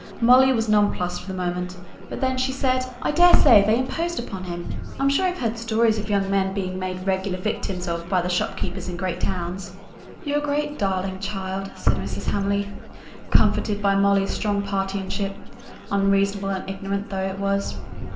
Molly was nonplussed for the moment; but then she said, "I daresay they imposed upon him. I'm sure I've heard stories of young men being made regular victims of by the shopkeepers in great towns." "You're a great darling, child," said Mrs. Hamley, comforted by Molly's strong partisanship, unreasonable and ignorant though it was.